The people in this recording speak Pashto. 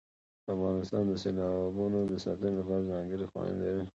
افغانستان د سیلابونو د ساتنې لپاره ځانګړي قوانین لري.